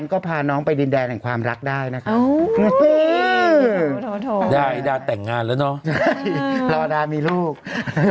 ก็ไม่ต้องไปมีแฟนแล้วมั้ย